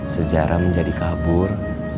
sejarah menjadi kabur